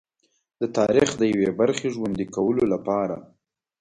د تاریخ د یوې برخې ژوندي کولو لپاره.